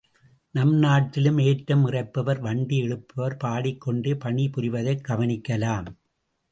நம் நாட்டிலும் ஏற்றம் இறைப்பவர், வண்டி இழுப்பவர் பாடிக் கொண்டே பணி புரிவதைக் கவனிக்கலாம்.